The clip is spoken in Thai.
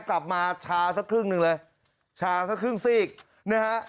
ชาสักครึ่งหนึ่งเลยชาสักครึ่งซีกนะฮะ